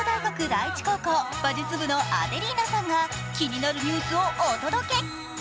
第一高校馬術部のアデリーナさんが気になるニュースをお届け。